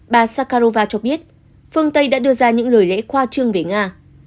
bà sakarova cho biết phương tây đã đưa ra những lời lẽ khoa trương về nga